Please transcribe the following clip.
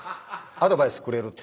アドバイスくれるって。